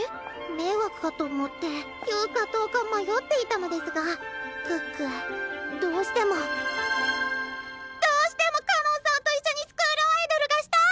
迷惑かと思って言うかどうか迷っていたのデスガ可可どうしてもどうしてもかのんさんと一緒にスクールアイドルがしたい！